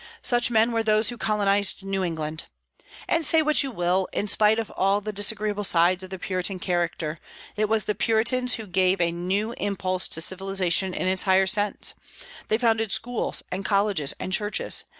Such men were those who colonized New England. And, say what you will, in spite of all the disagreeable sides of the Puritan character, it was the Puritans who gave a new impulse to civilization in its higher sense. They founded schools and colleges and churches.